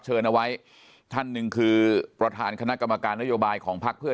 เชิญเอาไว้ท่านหนึ่งคือประธานคณะกรรมการนโยบายของพักเพื่อ